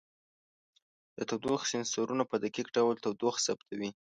د تودوخې سینسرونو په دقیق ډول تودوخه ثبتوي.